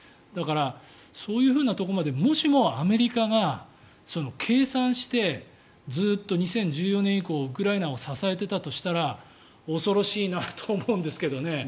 だから、そういうところまでもしも、アメリカが計算してずっと２０１４年以降ウクライナを支えてたとしたら恐ろしいなと思うんですけどね。